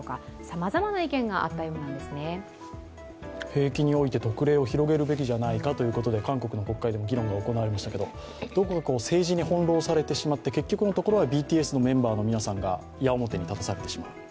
兵役において特例を広げるべきではないかと韓国の国会でも議論が行われましたけどどこか政治に翻弄されてしまって、結局のところはＢＴＳのメンバーの皆さんが矢面に立たされてしまう。